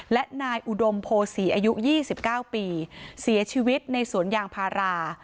และนายอุดมโพศีอายุ๒๙ปีเสียชีวิตในสวนยางพารา